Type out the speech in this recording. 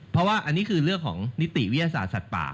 เพราะว่าอันนี้คือเรื่องของนิติวิทยาศาสตร์สัตว์ป่า